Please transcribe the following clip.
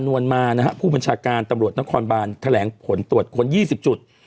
วลมานะฮะผู้บัญชาการตำรวจนครบานแถลงผลตรวจค้น๒๐จุด